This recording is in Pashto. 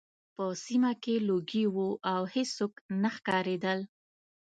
په سیمه کې لوګي وو او هېڅوک نه ښکارېدل